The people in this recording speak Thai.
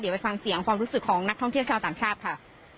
เดี๋ยวไปฟังเสียงความรู้สึกของนักท่องเที่ยวชาวต่างชาติค่ะ